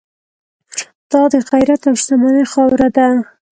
دا د غیرت او شتمنۍ خاوره ده.